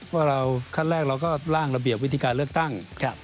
ว่าเราขั้นแรกเราก็ล่างระเบียบวิธีการเลือกตั้ง